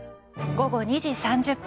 午後２時３０分。